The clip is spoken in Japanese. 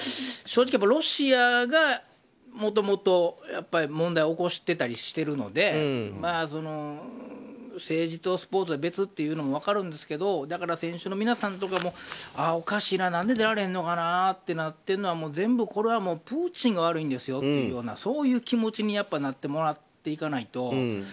正直、ロシアがもともと問題を起こしていたりするので政治とスポーツは別っていうのも分かるんですけどだから選手の皆さんとかもおかしいななんで出られんのかなってなっているのは全部、これはプーチンが悪いんですよというようなそういう気持ちになってもらっていかないと。